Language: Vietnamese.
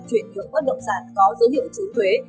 chuyển dưỡng bất động sản có dấu hiệu chứng thuế